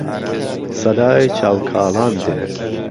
سەدای چاو کاڵان دێ